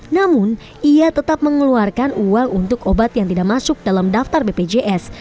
namun ia tetap mengeluarkan uang untuk obat yang tidak masuk dalam daftar bpjs